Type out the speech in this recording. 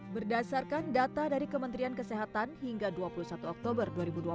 berdasarkan data dari kementerian kesehatan hingga dua puluh satu oktober dua ribu dua puluh